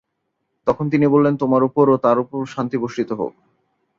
তখন তিনি বললেন, "তোমার উপর ও তার উপর শান্তি বর্ষিত হোক।"